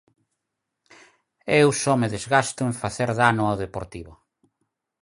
Eu só me desgasto en facer dano ao Deportivo.